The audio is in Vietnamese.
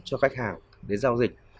cho khách hàng để giao dịch